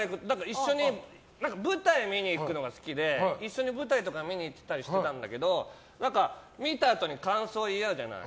一緒に舞台見に行くのが好きで一緒に舞台とか見に行ったりしてたんだけど見たあとに感想言い合うじゃない。